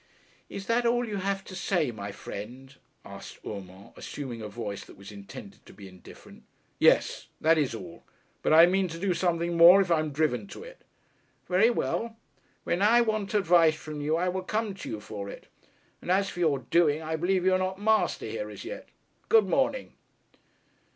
'Is that all you have to say, my friend?' asked Urmand, assuming a voice that was intended to be indifferent. 'Yes that is all. But I mean to do something more, if I am driven to it.' 'Very well. When I want advice from you, I will come to you for it. And as for your doing, I believe you are not master here as yet. Good morning.'